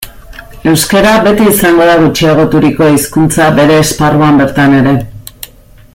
Euskara beti izango da gutxiagoturiko hizkuntza bere esparruan bertan ere.